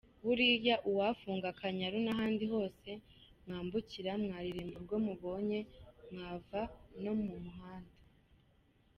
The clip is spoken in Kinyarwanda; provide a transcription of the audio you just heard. Buriya uwafunga Akanyaru n’ahandi hose mwambukira mwaririmba urwo mubonye mwava no mu muhanda.